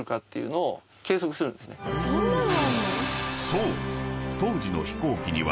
［そう］